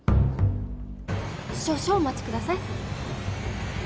少々お待ちください。